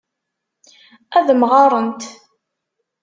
Ad mɣarent.